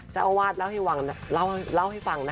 เจ้าอาวาสเล่าให้ฟังเล่าให้ฟังนะ